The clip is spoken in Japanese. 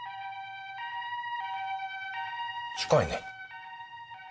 近いね。